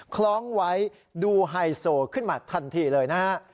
คล้องไว้ดูไฮโซขึ้นมาทันทีเลยนะฮะ